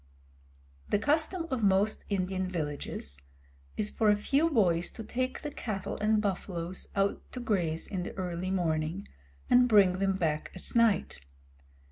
The custom of most Indian villages is for a few boys to take the cattle and buffaloes out to graze in the early morning, and bring them back at night.